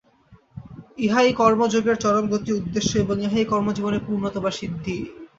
ইহাই কর্মযোগের চরম গতি ও উদ্দেশ্য, এবং ইহাই কর্মজীবনে পূর্ণতা বা সিদ্ধি।